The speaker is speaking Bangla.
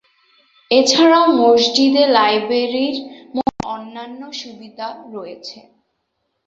এছাড়া মসজিদে লাইব্রেরির মতো অন্যান্য সুবিধা রয়েছে।